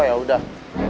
oh ya sudah